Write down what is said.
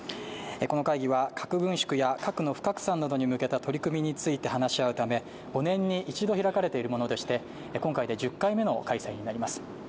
この会議は核軍縮や核の不拡散などに向けた取り組みについて話し合うため５年に一度開かれているものでして今回で１０回目の開催になります。